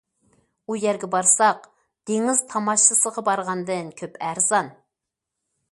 ئۇ يەرگە بارساق، دېڭىز تاماشىسىغا بارغاندىن كۆپ ئەرزان.